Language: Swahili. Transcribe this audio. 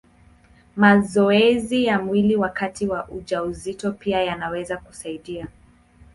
Mazoezi ya mwili wakati wa ujauzito pia yanaweza kusaidia.